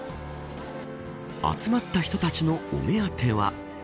集まった人たちのお目当ては。